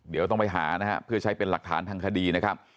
เดี๋ยวต้องไปหานะครับเพื่อใช้เป็นหลักฐานทางคดีนะครับ